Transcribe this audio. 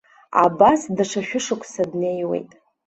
Абас даҽа шәышықәса днеиуеит.